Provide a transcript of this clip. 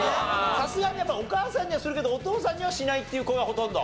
さすがにやっぱお母さんにはするけどお父さんにはしないっていう子がほとんど？